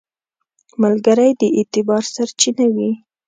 ملګری د اعتبار سرچینه وي